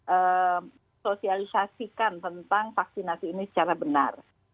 kita sosialisasikan tentang vaksinasi ini secara benar